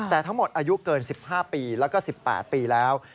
แต่ทั้งหมดอายุเกิน๑๕ปีแล้วก็๑๘ปีแล้ว